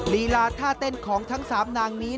ลีลาท่าเต้นของทั้ง๓นางนี้